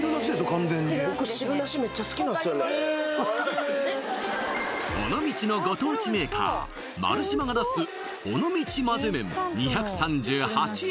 完全に汁なしですね尾道のご当地メーカーマルシマが出す尾道まぜ麺２３８円